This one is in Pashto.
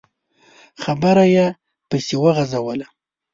خبره يې پسې وغځوله.